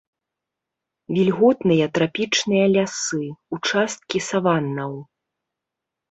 Вільготныя трапічныя лясы, участкі саваннаў.